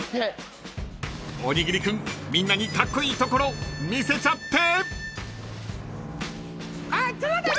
［おにぎり君みんなにカッコイイところ見せちゃって！］